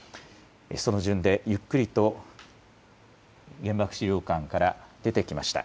その順でゆっくりと原爆資料館から出てきました。